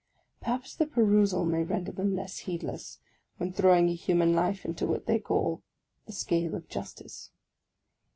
Perhaps the perusal may render them less heedless, when throwing a human life into what they call ' the scale of justice.'